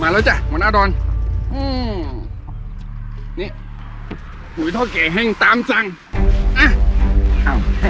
มาแล้วจ้ะหมุนอาดรอืมนี่หนุ่ยท่อเก๋แห้งตามสั่งอ้าว